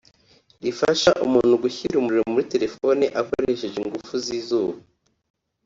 rifasha umuntu gushyira umuriro muri telefoni akoresheje ingufu z’izuba